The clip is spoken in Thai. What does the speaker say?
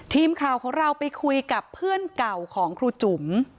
ทีมข่าวของเราไปคุยกับเพื่อนเก่าของครูจุ๋ม